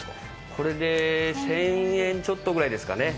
これで１０００円ちょっとぐらいですかね。